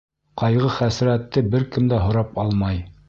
Ҡайғы-хәсрәтте бер кем дә һорап алмай.